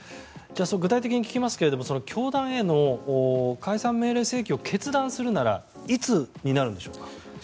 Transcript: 具体的に聞きますが教団への解散命令請求を決断するならいつになるんでしょうか。